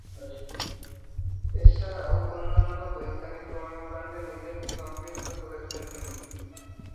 এছাড়াও অন্যান্য বৈজ্ঞানিক কর্মকাণ্ডে নিজেকে সম্পৃক্ত করেছেন তিনি।